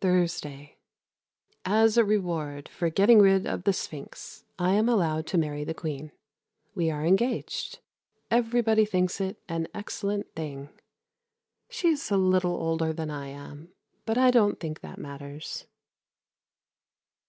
Thursday. As a reward for getting rid of the Sphinx I am allowed to marry the Queen; we are engaged. Everybody thinks it an excellent thing. She is a little older than I am; but I don't think that matters.